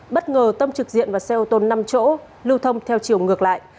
bất ngờ tông trực diện vào xe ô tô năm chỗ lưu thông theo chiều ngược lại